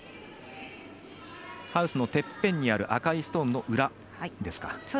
ハウスのてっぺんにある赤いストーンの裏ですか。